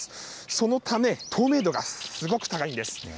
そのため、透明度がすごく高いんです。